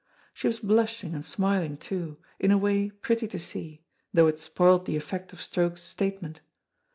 She was blushing and smiling too, in a way pretty to see, though it spoilt the effect of Stroke's statement.